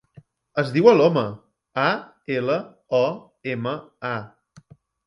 Es diu Aloma: a, ela, o, ema, a.